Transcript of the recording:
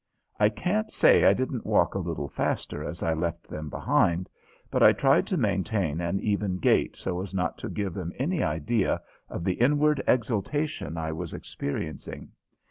I can't say I didn't walk a little faster as I left them behind, but I tried to maintain an even gait so as not to give them any idea of the inward exultation I was experiencing.